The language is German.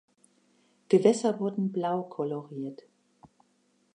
Gewässer wurden blau koloriert.